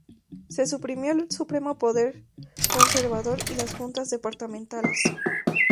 Se suprimió el Supremo Poder Conservador y las Juntas Departamentales.